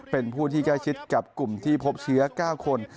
เป็นผู้ที่ใกล้ชิดกับกลุ่มที่พบเชื้อ๙คน